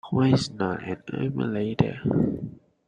Wine is not an emulator.